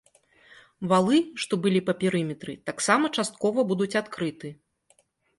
Валы, што былі па перыметры, таксама часткова будуць адкрыты.